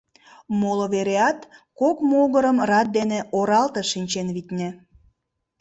Моло вереат кок могырым рат дене оралте шинчен, витне.